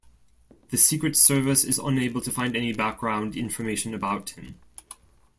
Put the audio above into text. The Secret Service is unable to find any background information about him.